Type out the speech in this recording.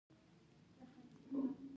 خوړل باید پاک وي